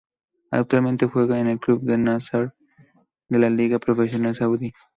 Actualmente juega en el club Al-Nassr de la Liga Profesional Saudí.